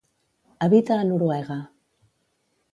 Habita a Noruega.